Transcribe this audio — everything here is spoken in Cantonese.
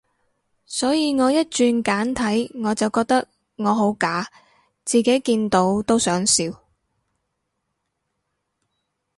所以我一轉簡體，我就覺得我好假，自己見到都想笑